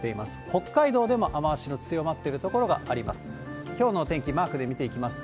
北海道でも雨足の強まっている所があります。